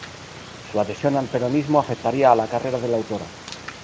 Su adhesión al peronismo afectaría a la carrera de la autora.